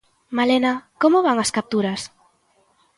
Malena, como van as capturas?